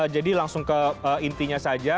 jadi langsung ke intinya saja